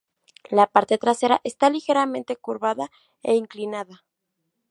La parte trasera está ligeramente curvada e inclinada.